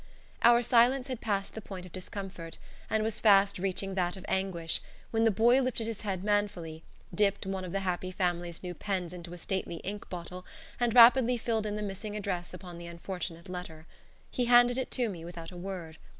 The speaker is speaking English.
Our silence had passed the point of discomfort, and was fast reaching that of anguish, when the boy lifted his head manfully, dipped one of "The Happy Family's" new pens into a stately ink bottle, and rapidly filled in the missing address upon the unfortunate letter. He handed it to me without a word.